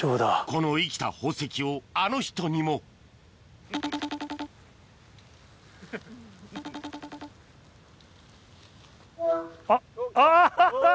この生きた宝石をあの人にもあっあぁ！